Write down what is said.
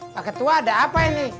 pak ketua ada apa ini